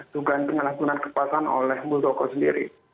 dugaan penyalahgunaan kekuasaan oleh muldoko sendiri